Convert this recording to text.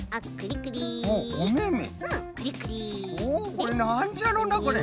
これなんじゃろうなこれ。